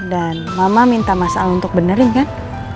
dan mama minta mas al untuk benerin kan